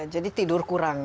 jadi tidur kurang